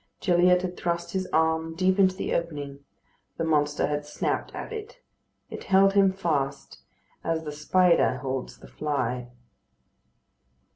Gilliatt had thrust his arm deep into the opening; the monster had snapped at it. It held him fast, as the spider holds the fly.